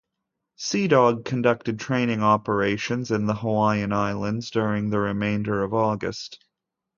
"Sea Dog" conducted training operations in the Hawaiian Islands during the remainder of August.